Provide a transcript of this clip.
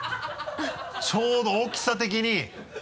ちょうど大きさ的に。